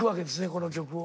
この曲を。